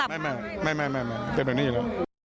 ไม่เป็นแบบนี้อยู่แล้ว